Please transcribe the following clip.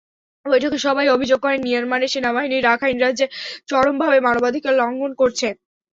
বৈঠকে সবাই অভিযোগ করেন, মিয়ানমারের সেনাবাহিনী রাখাইন রাজ্যে চরমভাবে মানবাধিকার লঙ্ঘন করছে।